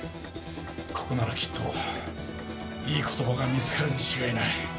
ここならきっといいことばが見つかるに違いない。